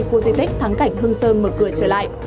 khu di tích thắng cảnh hương sơn mở cửa trở lại